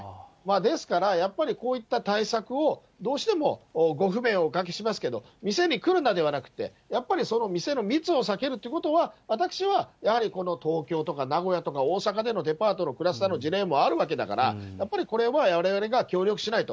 ですから、やっぱりこういった対策を、どうしてもご不便をおかけしますけれども、店に来るなではなくて、やっぱり、その店の密を避けるということは、私はやはりこの東京とか名古屋とか大阪でのデパートのクラスターの事例もあるわけだから、やっぱりこれはわれわれが協力しないと。